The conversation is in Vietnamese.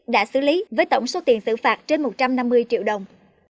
đã xử lý với tổng số tiền xử phạt trên một trăm năm mươi triệu đồng